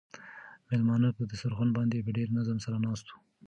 مېلمانه په دسترخوان باندې په ډېر نظم سره ناست وو.